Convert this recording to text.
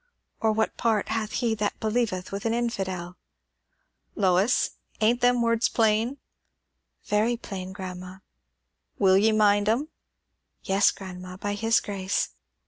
or what part hath he that believeth with an infidel?'" "Lois, ain't them words plain?" "Very plain, grandma." "Will ye mind 'em?" "Yes, grandma; by his grace."